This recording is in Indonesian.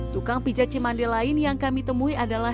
tukang pijat cimandi lain yang kami temui adalah